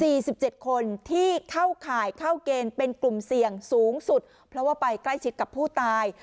สิบเจ็ดคนที่เข้าข่ายเข้าเกณฑ์เป็นกลุ่มเสี่ยงสูงสุดเพราะว่าไปใกล้ชิดกับผู้ตาย